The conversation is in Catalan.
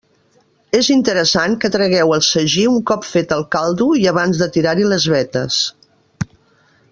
És interessant que tragueu el sagí un cop fet el caldo i abans de tirar-hi les vetes.